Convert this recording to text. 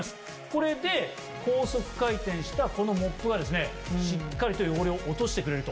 これで高速回転したこのモップがですねしっかりと汚れを落としてくれると。